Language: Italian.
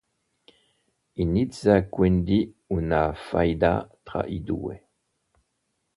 Inizia quindi una faida tra i due.